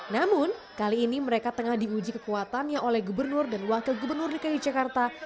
namun kali ini mereka tengah diuji kekuatannya oleh gubernur dan wakil gubernur dki jakarta